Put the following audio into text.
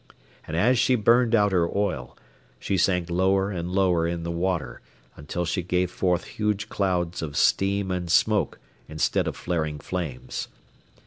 And as she burned out her oil, she sank lower and lower in the water until she gave forth huge clouds of steam and smoke instead of flaring flames.